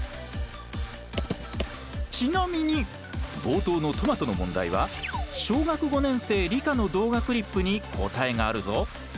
ちなみに冒頭のトマトの問題は小学５年生理科の動画クリップに答えがあるぞ。